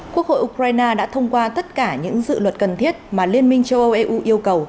quốc hội ukraine đã thông qua tất cả những dự luật cần thiết mà liên minh châu âu eu yêu cầu